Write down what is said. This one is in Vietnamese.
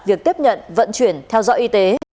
việc tiếp nhận vận chuyển theo dõi y tế